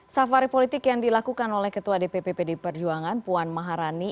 safari politik yang dilakukan oleh ketua dpp pd perjuangan puan maharani